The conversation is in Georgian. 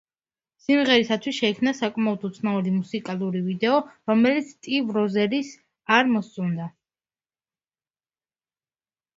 სიმღერისათვის შეიქმნა საკმაოდ უცნაური მუსიკალური ვიდეო, რომელიც სტივ როზერის არ მოსწონდა.